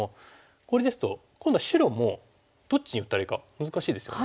これですと今度は白もどっちに打たれるか難しいですよね。